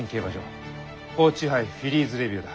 報知杯フィリーズレビューだ。